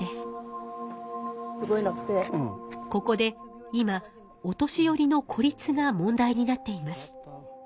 ここで今お年寄りの孤立が問題になっています。